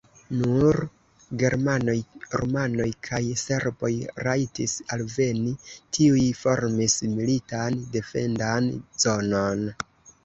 Nur germanoj, rumanoj kaj serboj rajtis alveni, kiuj formis militan defendan zonon.